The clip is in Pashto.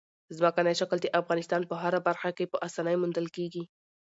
ځمکنی شکل د افغانستان په هره برخه کې په اسانۍ موندل کېږي.